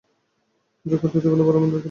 জগৎ এই দ্বৈতভাবপূর্ণ ভাল-মন্দের খেলা।